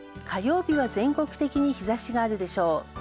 火曜日は、全国的に日差しがあるでしょう。